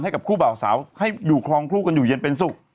ให้กับคู่เบาสาวให้อยู่คลองคู่กันอยู่เย็นเป็นสุข